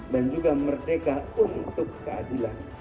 dan juga merdeka untuk keadilan